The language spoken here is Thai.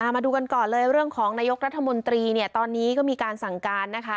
มาดูกันก่อนเลยเรื่องของนายกรัฐมนตรีเนี่ยตอนนี้ก็มีการสั่งการนะคะ